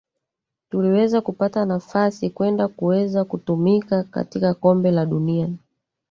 tuliweza kupata nafasi kwenda kuweza kutumika katika kombe la dunia